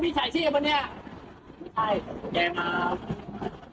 ไม่ใช่แย่มาก